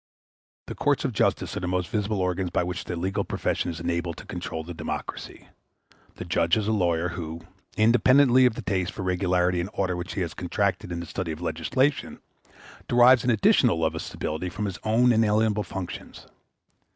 The courts of justice are the most visible organs by which the legal profession is enabled to control the democracy. The judge is a lawyer, who, independently of the taste for regularity and order which he has contracted in the study of legislation, derives an additional love of stability from his own inalienable functions.